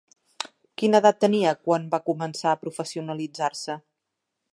Quina edat tenia quan va començar a professionalitzar-se.